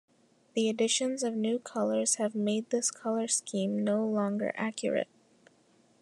The additions of new colors have made this color scheme no longer accurate.